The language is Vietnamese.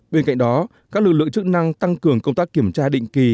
bên cạnh đó các lực lượng chức năng tăng cường công tác kiểm tra định kỳ